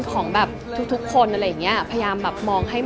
ของคนอยู่่างไร